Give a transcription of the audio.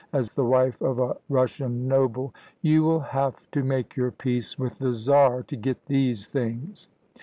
As the wife of a Russian noble " "You will have to make your peace with the Czar to get these things."